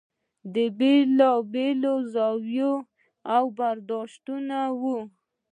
د بېلا بېلو زاویو او برداشتونو و.